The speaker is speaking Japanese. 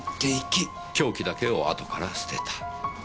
凶器だけを後から捨てた。